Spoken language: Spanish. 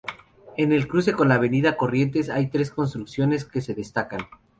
En el cruce con la Avenida Corrientes hay tres construcciones que se destacan.